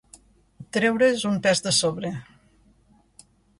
Treure's un pes de sobre.